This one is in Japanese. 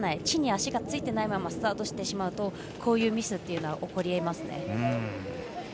地に足が着かないままスタートしてしまうとこういうミスが起こり得ますね。